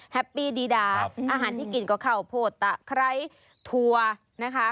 แฮปปี้ดีดาอาหารที่กินก็ข้าวโพดตะไคร้ถั่วนะคะ